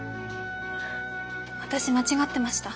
私間違ってました。